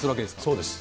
そうです。